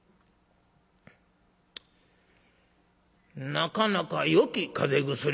「なかなかよき風邪薬じゃの。